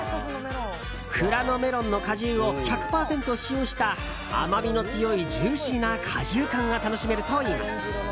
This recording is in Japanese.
富良野メロンの果汁を１００％使用した甘みの強いジューシーな果汁感が楽しめるといいます。